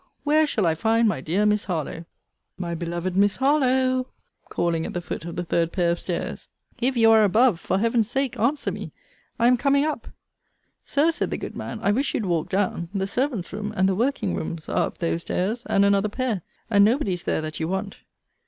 Where shall I find my dear Miss Harlowe? My beloved Miss Harlowe! [calling at the foot of the third pair of stairs,] if you are above, for Heaven's sake answer me. I am coming up. Sir, said the good man, I wish you'd walk down. The servants' rooms, and the working rooms, are up those stairs, and another pair; and nobody's there that you want.